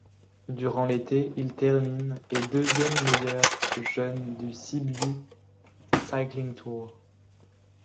Durant l'été, il termine et deuxième meilleur jeune du Sibiu Cycling Tour.